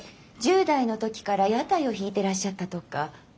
１０代の時から屋台を引いてらっしゃったとか。